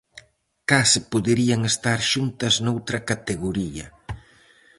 Case poderían estar xuntas noutra categoría.